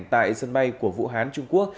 tại sân bay của vũ hán trung quốc